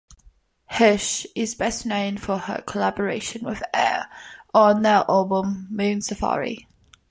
Hirsch is best known for her collaboration with Air on their album "Moon Safari".